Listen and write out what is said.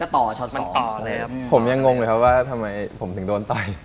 ตอนนั้นผมรู้หรือยังว่าทำไมผมถึงโดนต่อย